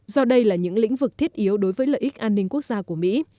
do đây là những lĩnh vực thiết yếu đối với lợi ích an ninh quốc gia của mỹ